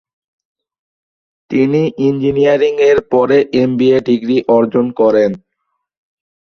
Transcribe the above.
তিনি ইঞ্জিনিয়ারিং এর পরে এমবিএ ডিগ্রি অর্জন করেন।